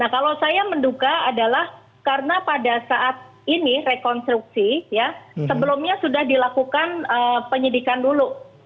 kalau saya menduga adalah karena pada saat ini rekonstruksi ya sebelumnya sudah dilakukan penyidikan dulu